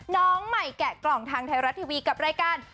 น้องใหม่แกะกล่องทางไทยรัฐทีวีกับรายการ